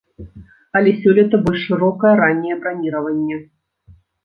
Але сёлета больш шырокае ранняе браніраванне.